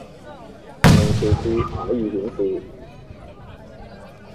明朝字可以顯示